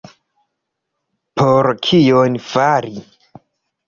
Por kion fari?